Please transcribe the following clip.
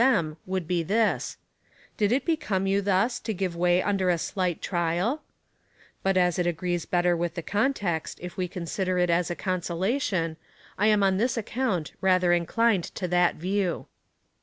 them would be tliis :" Did it become you thus to give way under a slight trial V But as it agrees better with the con text, if we consider it as consolation, I am on this account rather inclined to that view.